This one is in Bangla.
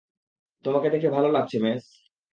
তোমাকে দেখে ভালো লাগছে, মেস।